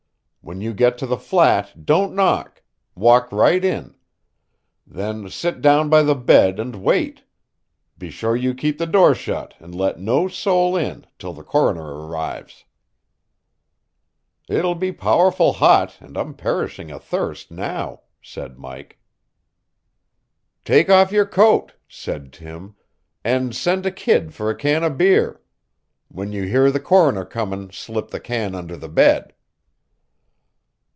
When you get to the flat don't knock; walk right in. Then sit down by the bed and wait. Be sure you keep the door shut and let no soul in till the Coroner arrives." "It'll be powerful hot and I'm perishing o' thirst now," said Mike. "Take off your coat," said Tim, "and send a kid for a can of beer. When you hear the Coroner comin' slip the can under the bed."